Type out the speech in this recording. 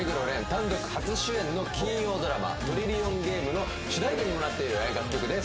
単独初主演の金曜ドラマ「トリリオンゲーム」の主題歌にもなっている楽曲です